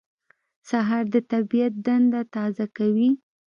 سهار د طبیعت دنده تازه کوي.